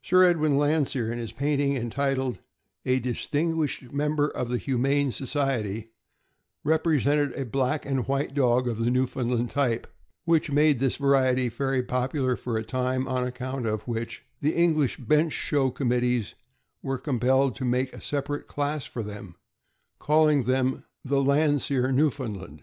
Sir Edwin Landseer, in his painting entitled "A Dis tinguished Member of the Humane, Society," represented a black and white dog of the Newfoundland type, which made this variety very popular for a time, on account of which the English bench show committees were compelled to make a separate class for them, calling them the Land seer Newfoundland.